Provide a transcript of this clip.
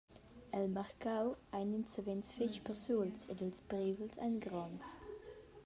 El marcau ein ins savens fetg persuls ed ils prighels ein gronds.